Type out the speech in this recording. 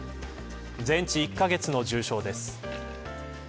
全治１カ月の重傷です。